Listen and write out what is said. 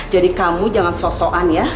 jadi kamu jangan so soan ya